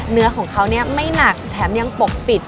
เนื้อของเขาเนี่ยไม่หนักแถมยังปกปิด